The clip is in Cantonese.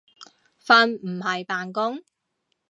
瞓唔係扮工